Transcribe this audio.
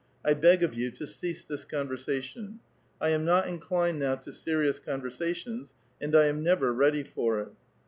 I beg of yovi to cease this conversation. I am not inclined now to 8^i*ious conversations, and I am never ready for it."